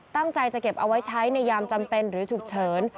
ตั้งใจจะเก็บเอาไว้ใช้ในยามจำเป็นหรือฉุกเฉิน